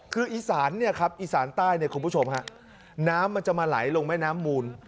คืออีสานเนี่ยครับอีสานใต้เนี่ยคุณผู้ชมฮะน้ำมันจะมาไหลลงแม่น้ำมูล